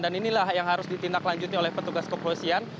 dan inilah yang harus ditindak lanjutnya oleh petugas kepolisian